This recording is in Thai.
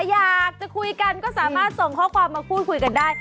อยากจะคุยกันก็สามารถส่งข้อความมาพูดคุยกันได้